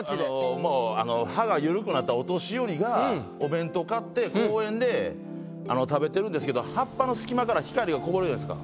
もうあの歯がゆるくなったお年寄りがお弁当買って公園で食べてるんですけど葉っぱの隙間から光が溢れるじゃないですか。